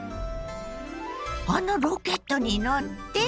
あのロケットに乗って？